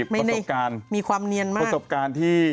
ไม่ได้มีความเนียนมากพอสับการณ์ที่